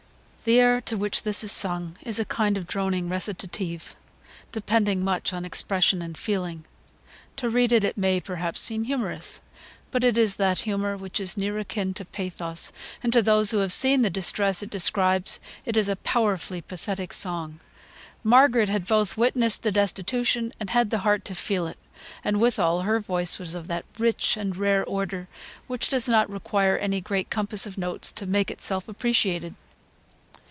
] The air to which this is sung is a kind of droning recitative, depending much on expression and feeling. To read it, it may, perhaps, seem humorous; but it is that humour which is near akin to pathos, and to those who have seen the distress it describes, it is a powerfully pathetic song. Margaret had both witnessed the destitution, and had the heart to feel it; and withal, her voice was of that rich and rare order, which does not require any great compass of notes to make itself appreciated.